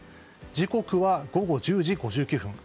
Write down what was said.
時刻は午後１０時５９分。